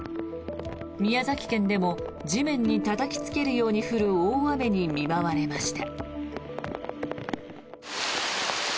宮崎県でも地面にたたきつけるように降る大雨に見舞われました。